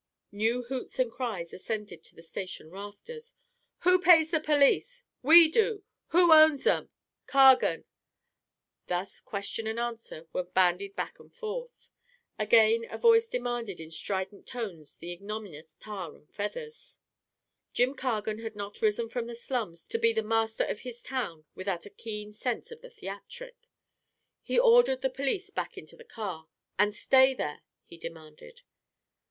New hoots and cries ascended to the station rafters. "Who pays the police?" "We do." "Who owns 'em?" "Cargan." Thus question and answer were bandied back and forth. Again a voice demanded in strident tones the ignominious tar and feathers. Jim Cargan had not risen from the slums to be master of his town without a keen sense of the theatric. He ordered the police back into the car. "And stay there," he demanded.